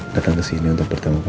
datang ke sini untuk bertemu pak